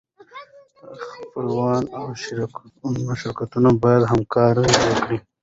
خپلوان او شرکتونه باید همکاري وکړي.